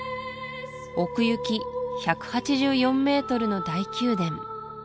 奥行き１８４メートルの大宮殿